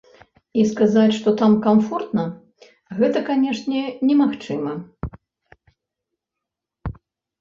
І сказаць, што там камфортна гэта, канешне, немагчыма.